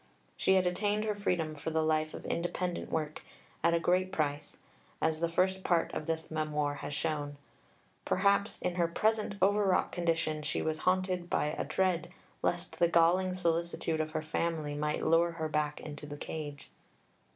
She had attained her freedom for the life of independent work, at a great price, as the first Part of this Memoir has shown. Perhaps in her present over wrought condition she was haunted by a dread lest the galling solicitude of her family might lure her back into the cage.